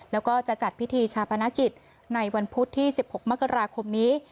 แล้วก็จะจัดพิธีชาปนกิจในวันพุธที่๑๖มกราคมนี้